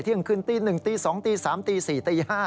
เที่ยงคืนตี๑ตี๒ตี๓ตี๔ตี๕